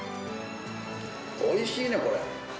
おいしいね、これ。